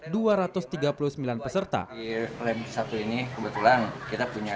berbasis komputer atau unbk dari total dua ratus tiga puluh sembilan peserta lebih satu ini kebetulan kita punya